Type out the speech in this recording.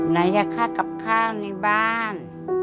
ไหนจะค่ากับค่าในบ้าน